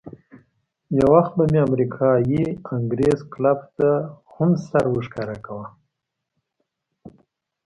یو وخت به مې امریکایي انګرېز کلب ته هم سر ورښکاره کاوه.